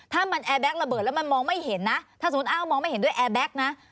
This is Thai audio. ถ้ามันแอร์แก๊กระเบิดแล้วมันมองไม่เห็นนะถ้าสมมุติอ้าวมองไม่เห็นด้วยแอร์แก๊กนะ